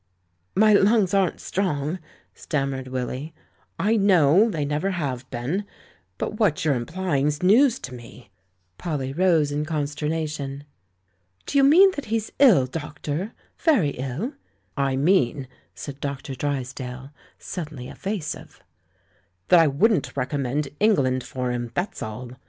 "My lungs aren't strong," stammered Willy. "I know ; they never have been. But what you're implying's news to me." 148 THE JVIAN WHO UNDERSTOOD WOMEN Polly rose in consternation. "Do you mean that he's ill, doctor — ^very iU?" "I mean," said Dr. Drysdale, suddenly eva sive, "that I wouldn't recommend England foi* him, that's all.